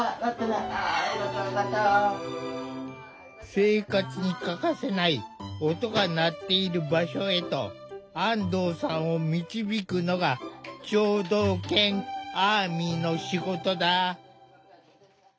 生活に欠かせない「音」が鳴っている場所へと安藤さんを導くのが聴導犬アーミの仕事だ。